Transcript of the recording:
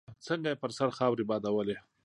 څنګه يې پر سر خاورې بادولې.